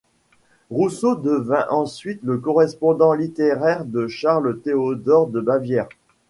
Rousseau devint ensuite le correspondant littéraire de Charles-Théodore de Bavière.